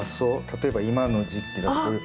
例えば今の時期だとこういう。